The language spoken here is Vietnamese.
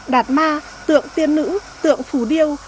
đạt ma tượng tiên nữ tượng phù điêu